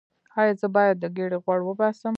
ایا زه باید د ګیډې غوړ وباسم؟